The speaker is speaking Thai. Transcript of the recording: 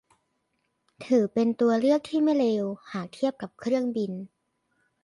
ถือเป็นตัวเลือกที่ไม่เลวหากเทียบกับเครื่องบิน